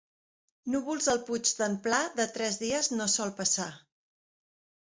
Núvols al puig d'en Pla, de tres dies no sol passar.